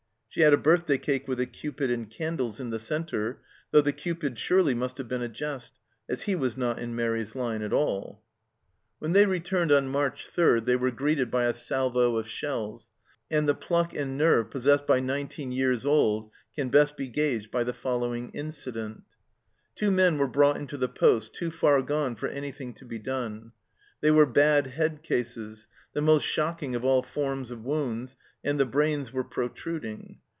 She had a birthday cake with a Cupid and candles in the centre, though the Cupid surely must have been a jest, as he was not in Mairi's line at all ! SHELLED OUT 215 When they returned on March 3 they were greeted by a salvo of shells, and the pluck and nerve possessed by nineteen years old can best be gauged by the following incident : Two men were brought into the paste too far gone for anything to be done ; they were bad head cases, the most shocking of all forms of wounds, and the brains were protruding.